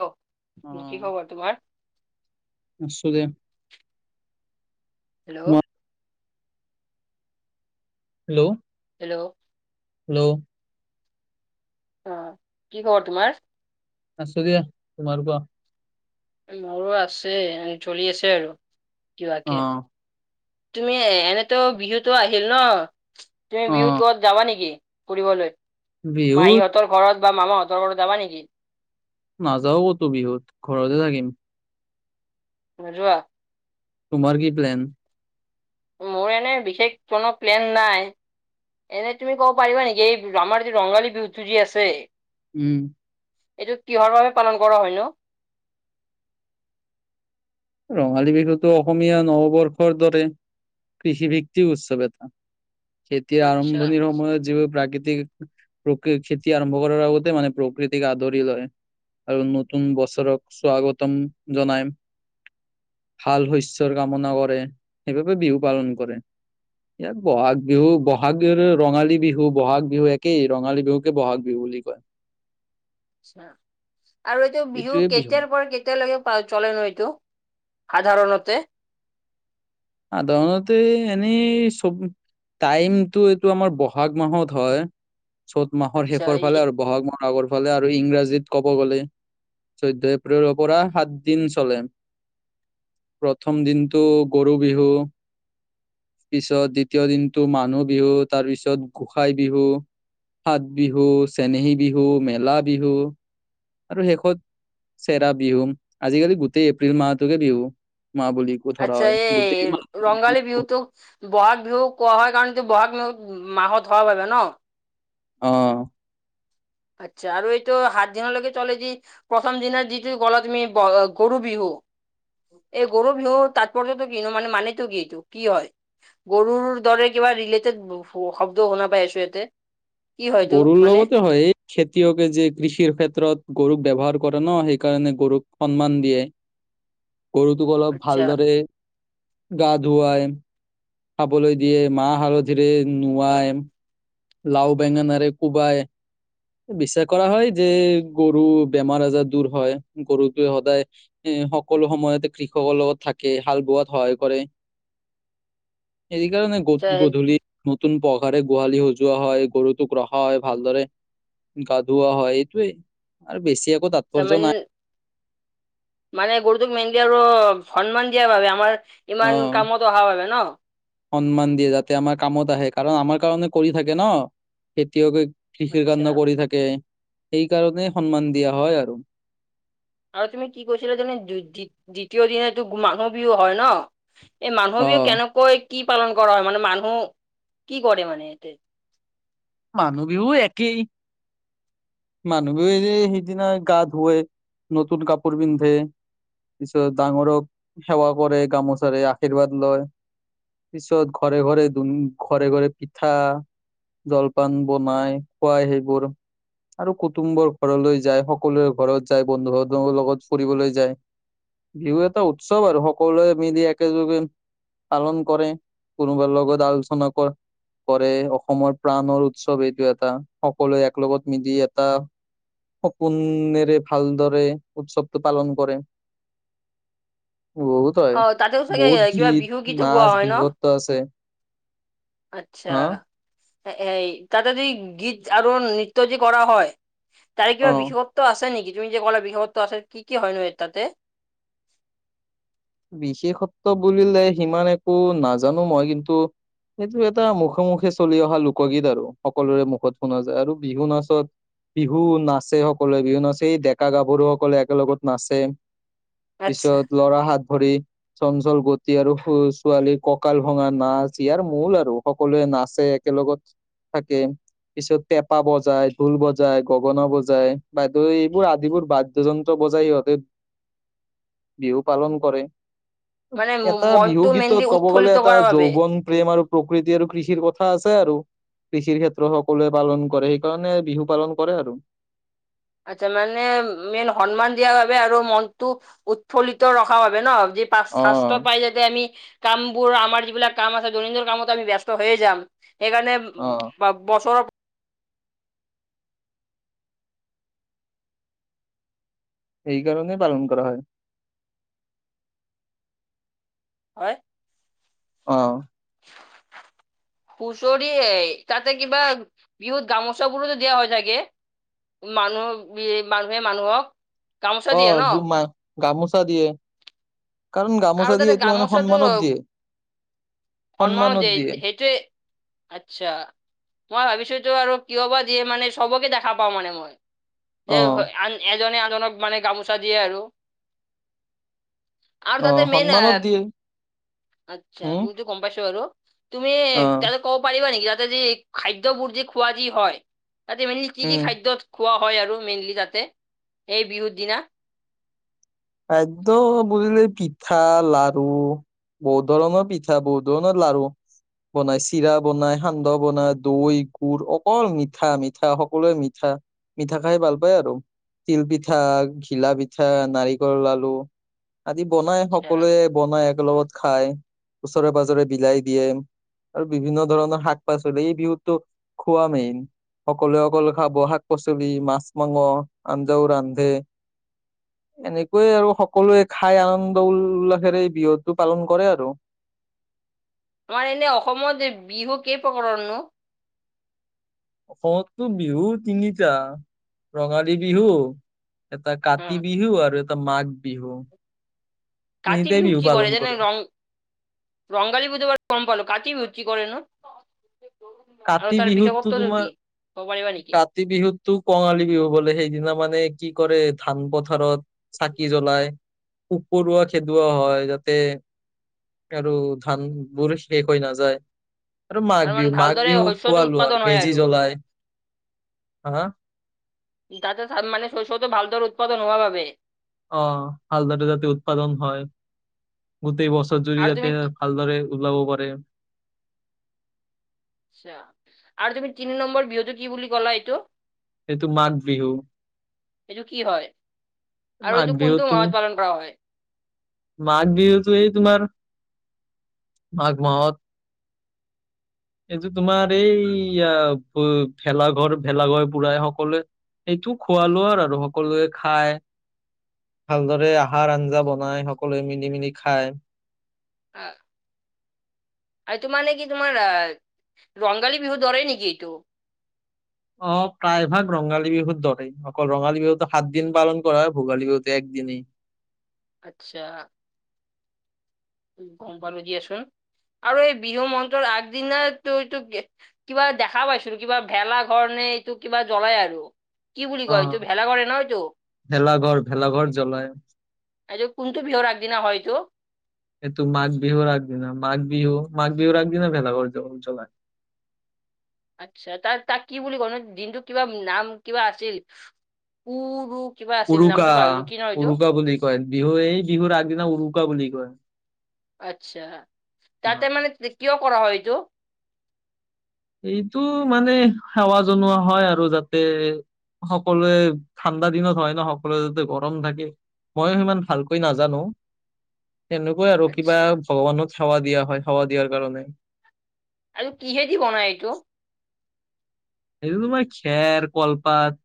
Hello অ কি খবৰ তোমাৰ? আছুয়ে। হেল্ল'। হেল্ল'। হেল্ল'। হেল্ল'। আহ কি খবৰ তোমাৰ? আছো দিয়া তোমাৰ কোৱা? মোৰো আছে চলি আছে আৰু অ কবাকে। তুমি এনেতো বিহুতো আহিল ন তুমি অ বিহুত ক'বাত যাবা নেকি? ফুৰিবলৈ বিহুত মাহিহঁতৰ ঘৰত বা মামাাহঁতৰ ঘৰত যাবা নেকি? নাযাও ক'তো বিহুত ঘৰতে থাকিম। নোজোৱা? তোমাৰ কি প্লেন? মোৰ এনে বিশেষ কোনো প্লেন নাই। এনেই তুমি ক'ব পাৰিবা নেকি এই আমাৰ যিটো ৰঙালী বিহুটো চলি আছে উম। এইটো কিহৰ বাবে পালন কৰা হয় ন? ৰঙালী বিহুটো অসমীয়া নৱবৰ্ষৰ দৰে, কৃষিভিত্তি উৎসৱ এটা। খেতিৰ আচ্ছা আৰম্ভণিৰ সময়ত যিবোৰ প্ৰাকৃতি তিৰ, প্ৰকৃত খেতি আৰম্ভ কৰাৰ আগতে মানে প্ৰকৃতিক আদৰি লয়। আৰু নতুন বছৰক স্বাগতম জনাইম। ভাল শস্যৰ কামনা কৰে, সেইবাবে বিহু পালন কৰে। ইয়াত বহাগ বিহু, বহাগ বিহুৰ ৰঙালী বিহু বহাগ বিহু একেই ৰঙালী বিহুকে বহাগ বিহু বুলি কয়। [inaudible] আৰু এইটো বিহু কেতিয়াৰ পৰা কেতিয়ালৈকে চলেনো এইটো সাধাৰণতে? সাধাৰণতে এনেই চব টাইমটো এইটো আমাৰ বহাগ মাহত হয়, চ'ত মাহৰ আচ্ছা শেষৰ এই- ফালে আৰু বহাগ মাহৰ আগৰ ফালে আৰু ইংৰাজীত ক'ব গলে চৈধ্য এপ্ৰিলৰ পৰা সাতদিন চলে। প্ৰথম দিনটো গৰু বিহু পিছত দ্বিতীয় দিনটো মানুহ বিহু, তাৰপিছত গোঁসাই বিহু সাত বিহু, চেনেহী বিহু, মেলা বিহু আৰু শেষত চেৰা বিহু, আজিকালি গোটেই এপ্ৰিল মাহটোকে বিহু মাহ বুলি আচ্ছা ধৰা হয়। এই গোটেই মাহ ৰংঙালী বিহুতোক বহাগ বিহু কোৱা হয় কাৰণ এইটো বহাগ ম মাহত হোৱা বাবে ন? অঁ। আচ্ছা আৰু এইটো সাত দিনলৈকে চলে যি প্ৰথম দিনা যিটো ক'লা তুমি গ গৰু বিহু এই গৰু বিহু তাত কলেতো কিনো মানে মানেটো কি এইটো কি হয়, গৰুৰ দৰে কিবা ৰিলেটেড শ শব্দ শুনা পাই আছো ইয়াতে। কি হয় এইটো গৰুৰ মানে লগতে হয়। খেতিয়কে যে কৃষিৰ ক্ষেত্ৰত গৰুক ব্যৱহাৰ কৰে ন, সেইকাৰণে গৰুক সন্মান দিয়ে। [inaudible] গৰুটোক অলপ আচ্ছা ভালদৰে গা ধুৱাই খাবলৈ দিয়ে, মা হালধিৰে নোৱাই লাও বেঙেনাৰে কোবাই বিশ্বাস কৰা হয় যে গৰু বেমাৰ আজাৰ দূৰ হয়, গৰুটো সদায় সকলো সময়তে কৃষকৰ লগত থাকে, হাল বোৱাত সহায় কৰে। [inaudible] এই কাৰণে গ আচ্ছা, গধূলি নতুন পঘাৰে গোহালি হ জুৱা হয় গৰুটোক ৰখা হয় ভালদৰে, গা ধুৱা হয় এইটোৱে আৰু বেছি তাৎপৰ্য তাৰমানে নাই। মানে গৰুটোক মেইনকে আৰু সন্মান দিয়া বাবে আমাৰ অ ইমান কামত অহাৰ বাবে ন? সন্মান দিয়ে যাতে আমাৰ কামত আহে কাৰণ আমাৰ কাৰণে কৰি থাকে ন খেতিয়কে কৃষিৰ আচ্ছা কাৰণেও কৰি থাকে এই কাৰণেই সন্মান দিয়া হয় আৰু। আৰু তুমি কি কৈছিলা যেনে দি দি দ্বিতীয় দিনাতো মানুহ বিহু হয় ন? এই মানুহ অ বিহু কেনেকৈ কি পালন কৰা হয় মানে, মানুহ কি কৰে মানে ইয়াতে? মানুহ বিহু একেই। মানুহবোৰে সি সিদিনা গা ধোৱে, নতুন কাপোৰ পিন্ধে পিছত ডাঙৰক সেৱা কৰে গামোচাৰে আশীৰ্বাদ লয়, পিছত ঘৰে ঘৰে দুন ঘৰে ঘৰে পিঠা, জলপান বনাই খুৱাই সেইবোৰ, আৰু কুটুমবোৰ ঘৰলৈ যায় সকলোৰে ঘৰত যায় বন্ধু বান্ধৱৰ লগত ফুৰিবলৈ যায়। বিহু এটা উৎসৱ আৰু সকলোৱে মিলি একেলগে, পালন কৰে কোনোবাৰ লগত আলোচনা কৰে, অসমৰ প্ৰাণৰ উৎসৱ এইটো এটা সকলোৱে একলগত মিলি এটা সপোনৰে ভালদৰে উৎসৱটো পালন কৰে। বহুত হয় অহঁ তাতেও চাগে বহুত কিবা গীত বিহু গীতো গোৱা নাচ হয় ন? বিহুততো আছে আচ্ছা। হা এ তাতে যি‌ গীত আৰু নৃত্য যি কৰা হয় তাৰে কিবা অ বিশেষত্ব আছে নেকি? তুমি যে কলা বিশেষত্ব আছে কি কি হয় ন এ তাতে? বিশেষত্ব বুলিলে সিমান একো নাজানো মই কিন্তু সেইটো এটা মুখে মুখে চলি অহা লোকগীত আৰু সকলোৰে মুখত শুনা যায় আৰু বিহু নাচত বিহু নাচে সকলোৱে বিহু নাচে এই ডেকা গাভৰু সকলে একেলগত নাচে। আচ্ছা পিছত লৰা হাত। ভৰি চঞ্চল গতি আৰু ছোৱালী কঁকাল ভঙা নাচ ইয়াৰ মূল আৰু সকলোৱে নাচে একেলগত থাকে। পিছত পেঁপা বজায় ঢোল বজায় গগনা বজায় বাদ্য আদিবোৰ বাদ্যযন্ত্ৰ। বজাই ইহঁতে [unintelligible] বিহু পালন কৰে। মানে ম- এটা বিহু মনটো গীতত মেইনলি ক'ব গ'লে উৎফুল্লিত এটা কৰাৰ বাবে যৌৱন প্ৰেম আৰু প্ৰকৃতি আৰু কৃষিৰ কথা আছে আৰু কৃষিৰ ক্ষেত্ৰ সকলোৱে পালন কৰে সেইকাৰণে বিহু পালন কৰে আৰু আচ্ছা মানে মেইন সন্মান দিয়া বাবে আৰু মনটো উৎফুল্লিত ৰখা বাবে ন য ফাৰ্ষ্ট অ তপাই যাতে আমি কামবোৰ আমাৰ যিবিলাক কাম আছে দৈনন্দিন কামতো আমি ব্যস্ত হৈ যাম সেইকাৰণে অ বছৰৰ এই কাৰণেই পালন কৰা হয়। হয় অ [unintelligible] হুঁচৰি তাতে কিবা বিহুত গামোচা বোৰো দিয়া হৈ থাকে। মানুহ মানুহে মানুহক গামোচা অ দিয়ে ন গ মা গামোচা দিয়ে কাৰণ আৰু গামোচা দিয়ে তাতে এইটো মানে গামোচাটো, সন্মানত দিয়ে সন্মানো সন্মানত দিয় দিয়ে সেইটোৱে আচ্ছা মই ভাবিছোতো আৰু কিয় বা দিয়ে মানে সবকে দেখা পাওঁ মানে মই অ যেন এজনে জনক মানে গামোচা দিয়ে আৰু আৰু অ তাতে মেইন সন্মানত দিয়ে আচ্ছা উম দইতো গম পাইছো আৰু তুমি অ তাতে ক'ব পাৰিবা নেকি যাতে যি খাদ্য বোৰ যি খোৱা যি হয় তাতে মেনি কি কি উম খাদ্য খোৱা হয় আৰু মেইনলি যাতে এই বিহুৰ দিনা? খাদ্য বুজিলে পিঠা, লাৰু, বহু ধৰনৰ পিঠা বহু ধৰনৰ লাৰু বনাই চিৰা বনাই সান্দহ বনাই দৈ গুৰ অকল মিঠা মিঠা সকলোৱে মিঠা মিঠা খাই ভাল পায় আৰু তিল পিঠা, ঘিলা পিঠা, নাৰিক কল লাডো আদি বনাই আচ্ছা সকলোৱে বনাই। লগত খাই ওচৰে পাজৰে বিলাই দিয়ে। আৰু বিভিন্ন ধৰণৰ শাক পাচলি এই বিহুতটো খোৱা মেইন সকলোৱে সকলে খাব শাক পাচলি মাছ মাংস আঞ্জাও ৰান্ধে এনেকে ক আৰু সকলোৱে খাই আনন্দ উল্লাসেৰে বিহুটো পালন কৰে আৰু আমাৰ এনে অসমত বিহু কেই প্ৰকাৰৰ নো? অসমততটো বিহু তিনিটা ৰঙালী বিহু এটা উম কাতি বিহু আৰু এটা মাঘ বিহু কাতি তিনিটাই বিহুত বিহু কি কৰে পালন যোন ৰং ৰংগালী বিহুত এবাৰ গম পালো কাতি বিহুত কি কৰে নো? কাতি বিহুততো তোমাৰ ক'ব পাৰিবা নেকি কাতি বিহুতো কঙালী বিহু বোলে সেইদিনা মানে কি কৰে ধান পথাৰত চাকি জ্বলাই পোক পৰুৱা খেদোৱা হয় ইয়াতে আৰু ধান বোৰ শেষ হৈ নাযায় আৰু মাঘ মানে বিহু মাঘ ভালদৰে মও শস্যটো খোৱা লোৱা আৰু উৎপাদন হয় মেজি জ্বলাই হা? তাতে মানে শস্যটো ভালদৰে উৎপাদন হোৱা বাবে আহ হালদাৰটা যাতে উৎপাদন হয়। গোটেই বছৰ আৰু জুৰি তুমি যাতে তি- ভালদৰে ওলাব পাৰে। আচ্ছা আৰু তুমি তিনি নম্বৰ বিহুতো কি বুলি ক'লা এইটো সেইটো মাঘ বিহু এইটো কি হয় আৰু মাঘ এইটো বিহুত কোনটো তুম মাহত পালন কৰা হয়? মাঘ বিহুতো এই তোমাৰ মাঘ মাহত। এইটো তোমাৰ এই ভেলাঘৰ ভেলাঘৰ পুৰাই সকলোৱে সেইটো খোৱা লোৱা আৰু সকলোৱে খায়। ভালদৰে আহাৰ আঞ্জা বনাই সকলোৱে মিলি মিলি খায় আ আৰু টো মানে কি তোমাৰ আ ৰংগালী বিহু দৰে নেকি এইটো অ প্ৰায়ভাগ ৰঙালী বিহুত দৰে অকল ৰঙালী বিহুতো সাত দিন পালন কৰা হয় ভোগালী বিহুতো এক দিনেই আচ্ছা গম পালোঁ দিয়াচোন। আৰু এই বিহু মন্ত্ৰৰ আগদিনা তো এইটো কিবা দেখা পাইছিলো কিবা ভেলাঘৰ নে? এইটোক কিবা জ্বলাই আৰু কি বুলি অ কয় এইটো ভেলা কৰে ন এইটো ভেলাঘৰ ভেলাঘৰ জ্বলাই আৰু কোনটো বিহুৰ আগদিনা হয় এইটো, এইটো মাঘ বিহু আগদিনা মাঘ বিহু মাঘ বিহু আগদিনা ভেলাঘৰ জ্বলাই। আচ্ছা তাৰ তাক কি বুলি কয় ন দিনটো কিবা নাম কিবা আছিল? উৰো উৰুকা উৰুকা বুলি কয় বিহু এই বিহুৰ আগদিনা উৰুকা বুলি কয়। আচ্ছা অ তাতে মানে কিয় কৰা হয় এইটো এইটো মানে সেৱা জনোৱা হয় আৰু যাতে সকলোৱে ঠাণ্ডা দিনত হয় ন সকলোৱে যাতে গৰম থাকে। ময়ো সিমান ভালকৈ নাজানো। [unintelligible] তেনেকুৱাই আৰু কিবা আচ্ছা ভগৱানত সেৱা দিয়া হয় সেৱা দিয়াৰ কাৰণে আৰু কিহেদি বনাই এইটো? এইটো তোমাৰ খেৰ কলপাত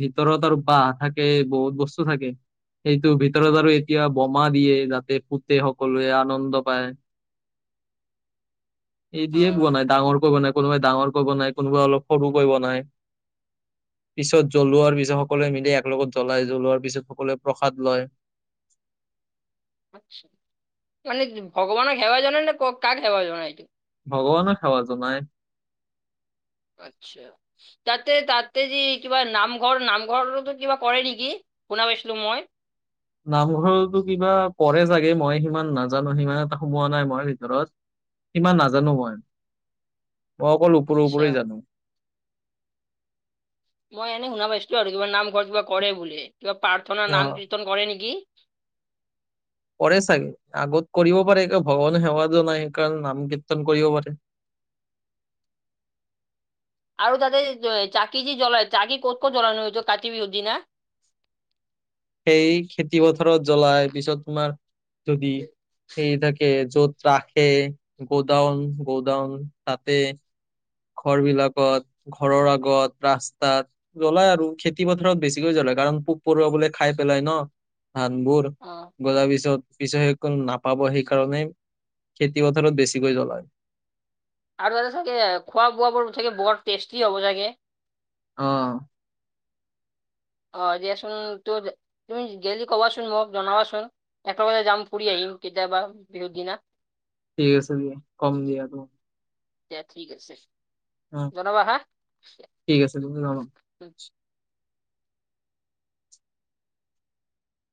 ভিতৰত আৰু বাঁহ থাকে বহুত বস্তু থাকে। সেইটোৰ ভিতৰত আৰু এতিয়া বোমা দিয়ে যাতে ফুতে সকলোৱে আনন্দ পায়। [inaudible] অ এদিয়ে বনায় ডাঙৰকৈ বনায় কোনোবাই ডাঙৰকৈ বনাই কোনোবাই অলপ সৰুকৈ বনায়। [inaudible] পিছত জ্বলোৱাৰ পিছত সকলোৱে মিলি একলগত জ্বলাই, জ্বলোৱাৰ পিছত সকলোৱে প্ৰসাদ লয়। [inaudible] আচ্ছা, মানে ভগৱানক সেৱা জনাই নে কক কাক সেৱা জনাই? ভগৱানক সেৱা জনাই। আচ্ছা, তাতে তাতে যি কিবা নামঘৰ নামঘৰতো কিবা কৰে নেকি? শুনা পাইছিলো মই। নামঘৰটো কিবা পঢ়ে চাগে মই সিমান নাজানো, সিমান এটা সোমোৱা নাই মই ভিতৰত। সিমান নাজানো মই, মই অকল ওপৰে আচ্ছা ওপৰে জানো। মই এনে শুনা পাইছিলো আৰু কিবা নামঘৰ কিবা কৰে বুলি, কিবা প্ৰাৰ্থনা অ নাম কীৰ্তন কৰে নেকি? কৰে চাগে, আগত কৰিব পাৰে ভগৱান সেৱা জনাই সেইকাৰণে নাম কীৰ্তন কৰিব পাৰে। [inaudible] আৰু তাতে চাকি যি জ্বলাই চাকি ক'ত কত' জ্বলাই কাতি বিহু দিনা? সেই খেতি কি পথাৰত জ্বলাই, পিছত তোমাৰ যদি সেই থাকে য'ত ৰাখে গদাউন গদাউন তাতে। ঘৰ বিলাকত, ঘৰৰ আগত, ৰাস্তাত জ্বলাই আৰু খেতি পথাৰত বেছিকৈ জ্বলা কাৰণ পোক- পৰুৱা বোলে খাই পেলাই ন ধানবোৰ অ গজাৰ পিছত। পিচত সেইকল নাপাব সেইকাৰণে খেতিপথাৰত বেছিকৈ জ্বলায়। আৰু এটা চাগে খোৱা বোৱাবোৰ চাগে বৰ টেষ্টি হ'ব চাগে? অ। অ দিয়াচোন তোৰ, তুমি গেলি ক'বাচোন মোক জনাবাচোন, একেলগে যাম ফুৰি আহিম। কেতিয়াবা বিহু দিনা। ঠিক আছে, উম কম দিয়াটো। দিয়া ঠিক আছে, জনাবা হা। ঠিক আছে তুমি জনাবা।